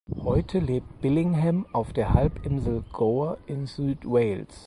Heute lebt Billingham auf der Halbinsel Gower in Südwales.